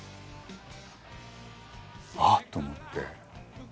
「あっ！」と思って。